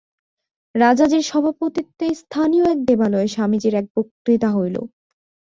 রাজাজীর সভাপতিত্বে স্থানীয় এক দেবালয়ে স্বামীজীর এক বক্তৃতা হইল।